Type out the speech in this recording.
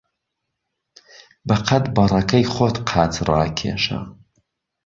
به قهد بهڕهکهی خۆت قاچ ڕاکێشه